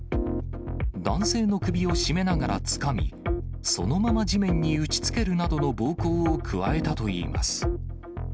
男性の首を絞めながらつかみ、そのまま地面に打ちつけるなどの暴行を加えたといいます。